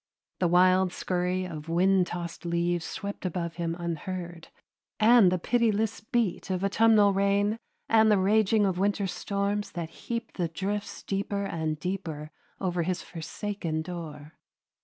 The wild scurry of wind tossed leaves swept above him unheard, and the pitiless beat of autumnal rain and the raging of winter storms that heaped the drifts deeper and deeper over his forsaken door.